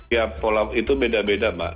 ya itu beda beda mbak